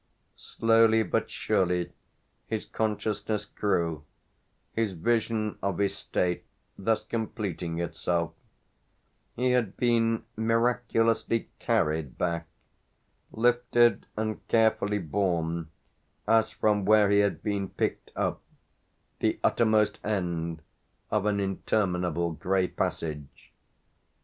Slowly but surely his consciousness grew, his vision of his state thus completing itself; he had been miraculously carried back lifted and carefully borne as from where he had been picked up, the uttermost end of an interminable grey passage.